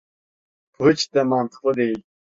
Bu hiç de mantıklı değil.